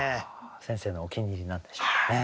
先生のお気に入りなんでしょうね。